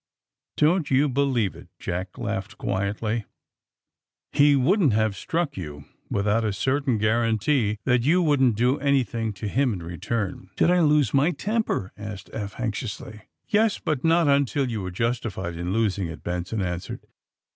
''*' Don't you believe it," Jack laughed quietly. 26 THE SUBMAJRINE BOYS '*He wouldn't have struck you without a cer tain guarantee that you wouldn't do anything to him in return." ^^Did I lose my temper ?"^ asked Eph anx iously. *^Yes; but not until you were justified in los ing it," Benson answered.